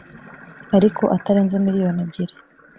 ariko atarenze miliyoni ebyiri